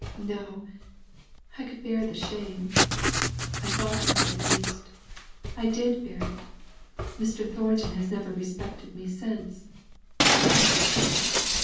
No! I could bear the shame I thought I could at least. I did bear it. Mr. Thornton has never respected me since."